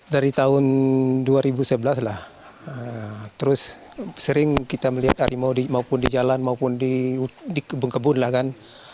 dari tahun dua ribu sebelas lah terus sering kita melihat harimau maupun di jalan maupun di kebun kebun lah kan